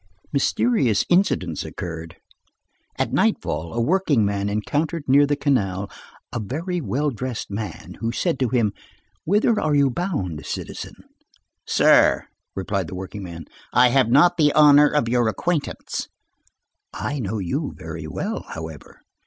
Mysterious incidents occurred. At nightfall, a workingman encountered near the canal a "very well dressed man," who said to him: "Whither are you bound, citizen?" "Sir," replied the workingman, "I have not the honor of your acquaintance." "I know you very well, however."